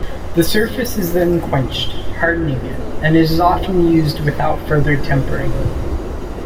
The surface is then quenched, hardening it, and is often used without further tempering.